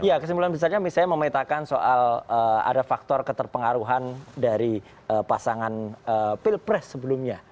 ya kesimpulan besarnya misalnya memetakan soal ada faktor keterpengaruhan dari pasangan pilpres sebelumnya